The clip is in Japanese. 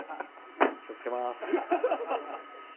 気をつけます。